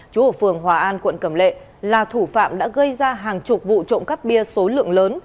chú ở phường hòa an quận cầm lệ là thủ phạm đã gây ra hàng chục vụ trộm cắp bia số lượng lớn